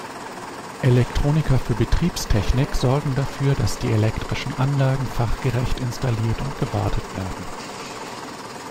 Elektroniker für Betriebstechnik sorgen dafür, dass die elektrischen Anlagen fachgerecht installiert und gewartet werden.